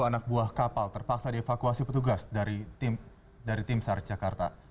sepuluh anak buah kapal terpaksa dievakuasi petugas dari tim sarjakarta